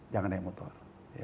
jangan naik motor